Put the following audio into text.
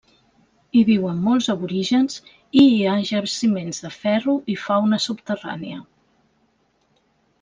Hi viuen molts aborígens i hi ha jaciments de ferro i fauna subterrània.